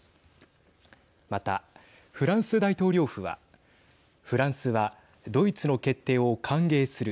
また、フランス大統領府はフランスはドイツの決定を歓迎する。